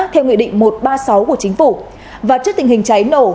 theo nghị định một trăm ba mươi sáu của chính phủ và trước tình hình cháy nổ